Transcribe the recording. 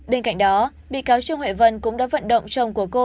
bên cạnh đó bị cáo trương huệ vân cũng đã vận động chồng của cô